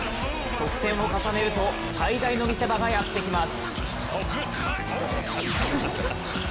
得点を重ねると最大の見せ場がやってきます。